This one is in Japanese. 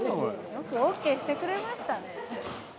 よくＯＫしてくれましたね。